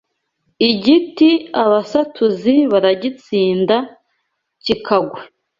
Igiti abasatuzi baragitsinda kikagwa